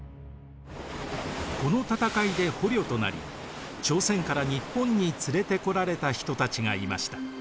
この戦いで捕虜となり朝鮮から日本に連れてこられた人たちがいました。